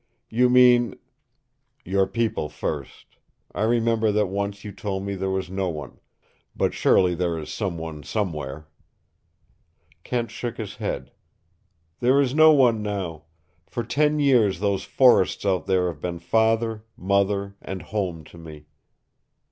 "You mean " "Your people, first. I remember that once you told me there was no one. But surely there is some one somewhere." Kent shook his head. "There is no one now. For ten years those forests out there have been father, mother, and home to me."